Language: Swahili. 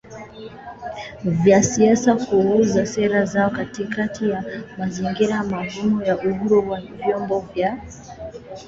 vya siasa kuuza sera zao katikati ya mazingira magumu ya uhuru wa vyombo vya